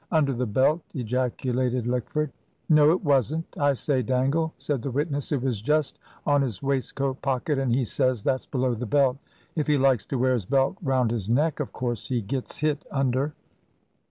"Under the belt," ejaculated Lickford. "No, it wasn't I say, Dangle," said the witness, "it was just on his waistcoat pocket, and he says that's below the belt. If he likes to wear his belt round his neck, of course he gets hit under."